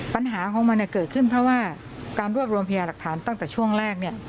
ปัญหาของมันเกิดขึ้นเพราะว่าการรวบรวมพยาหลักฐานตั้งแต่ช่วงแรก